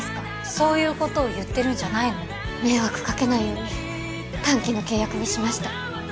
そういうことを言ってるんじゃないの迷惑かけないように短期の契約にしました